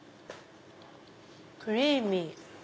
クリーミー。